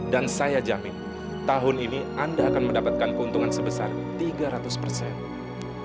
dan saya jamin tahun ini anda akan mendapatkan keuntungan sebesar tiga ratus ribu dolar